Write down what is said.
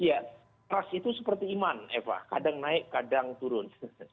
ya ras itu seperti iman eva kadang naik kadang turun